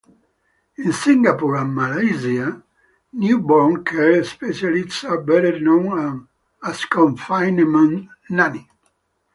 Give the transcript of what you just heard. In Singapore and Malaysia, newborn care specialists are better known as confinement nanny.